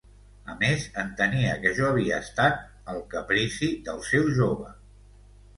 A més, entenia que jo havia estat el caprici del seu jove.